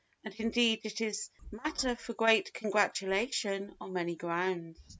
And indeed it is matter for great congratulation on many grounds.